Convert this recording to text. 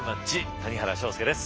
谷原章介です。